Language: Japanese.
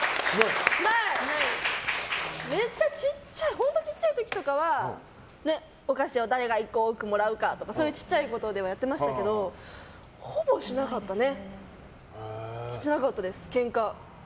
本当ちっちゃい時とかはお菓子を誰が１個多くもらうかとかそういう小さいことではやってましたけどほぼしなかったね。